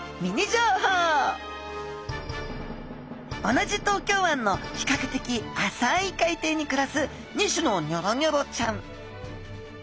同じ東京湾の比較的浅い海底にくらす２種のニョロニョロちゃん。